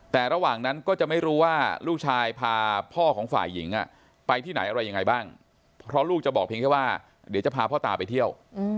แต่ระหว่างนั้นก็จะไม่รู้ว่าลูกชายพาพ่อของฝ่ายหญิงไปที่ไหนอะไรยังไงบ้างเพราะลูกจะบอกเพียงแค่ว่าเดี๋ยวจะพาพ่อตาไปเที่ยว